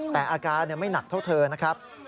แต่อาการไม่หนักเท่าเธอนะครับ